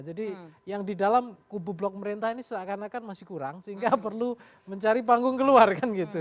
jadi yang di dalam kubu blok pemerintah ini seakan akan masih kurang sehingga perlu mencari panggung keluar kan gitu